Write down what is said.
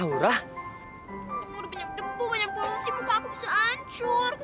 kamu udah banyak debu banyak polosi muka aku bisa hancur